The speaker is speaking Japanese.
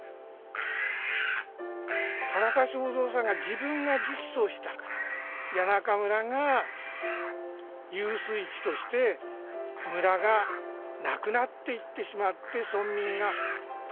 田中正造さんが自分が直訴したから谷中村が遊水池として村がなくなっていってしまって村民がバラバラにならざるをえなくなった。